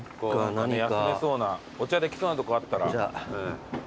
休めそうなお茶できそうなとこあったら。